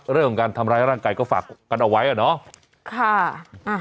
เรื่องของการทำร้ายร่างกายก็ฝากกันเอาไว้อะเนาะ